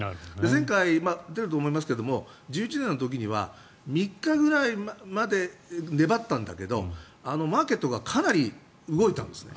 前回言ったと思いますが１１年の時には３日くらいまで粘ったんだけどマーケットがかなり動いたんですね。